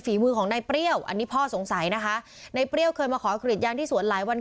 มือของนายเปรี้ยวอันนี้พ่อสงสัยนะคะนายเปรี้ยวเคยมาขอกรีดยางที่สวนหลายวัน